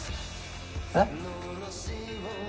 えっ？